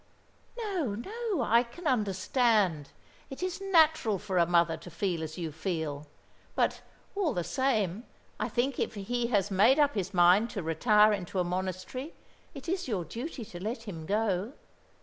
"No, no. I can understand. It is natural for a mother to feel as you feel; but, all the same, I think if he has made up his mind to retire into a monastery, it is your duty to let him go.